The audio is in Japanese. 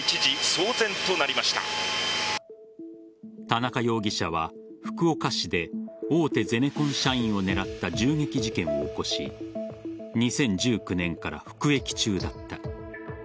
田中容疑者は福岡市で大手ゼネコン社員を狙った銃撃事件を起こし２０１９年から服役中だった。